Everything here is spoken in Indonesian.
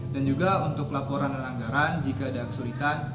dan juga untuk laporan dan anggaran jika ada kesulitan